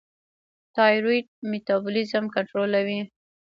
تایرویډ میټابولیزم کنټرولوي.